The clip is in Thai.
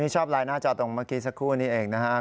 ชอบไลน์หน้าจอตรงเมื่อกี้สักครู่นี้เองนะครับ